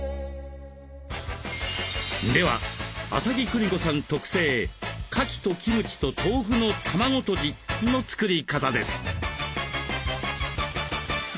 では麻木久仁子さん特製「かきとキムチと豆腐の卵とじ」の作り方です。